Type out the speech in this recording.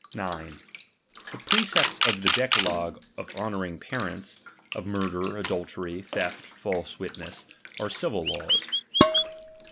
9. The precepis of the decalogue of honouring parents, of murder, adultery, theft, false witness, are civil laws.